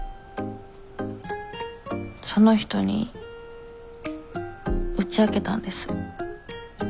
その人に打ち明けたんです。